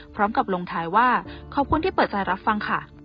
พร้อมกับลงท้ายว่าขอบคุณที่เปิดใจรับฟังค่ะ